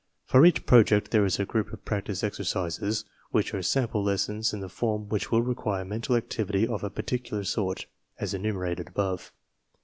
For each Project there is a group of Practice Exercises, which are sample lessons in the form which will require mental activity of a particular sort (as enumerated above).